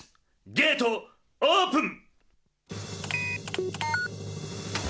ゲートオープン！